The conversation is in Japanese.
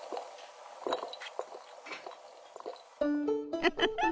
ウフフ。